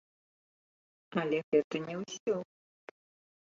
Але гэта не ўсё.